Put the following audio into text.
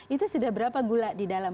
itu sudah berapa gula di dalam